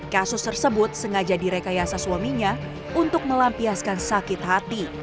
kasus tersebut sengaja direkayasa suaminya untuk melampiaskan sakit hati